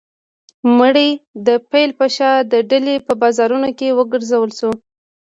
مړی د پیل په شا د ډیلي په بازارونو کې وګرځول شو.